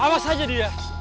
awas aja dia